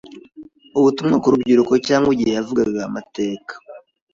ubutumwa ku rubyiruko cyangwa igihe yavugaga amateka,